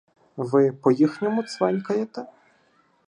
— Ви по-їх- ньому цвенькаєте.